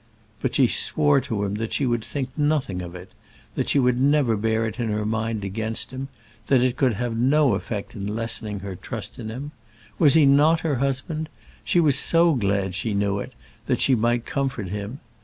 But she swore to him that she would think nothing of it; that she would never bear it in her mind against him, that it could have no effect in lessening her trust in him. Was he not her husband? She was so glad she knew it, that she might comfort him.